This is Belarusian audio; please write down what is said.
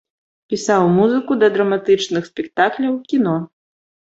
Пісаў музыку да драматычных спектакляў, кіно.